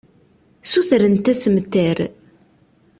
Ssutrent assemter.